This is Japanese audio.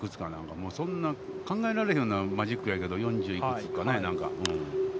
もうそんなん考えられへんようなマジックやけど四十幾つかなんか。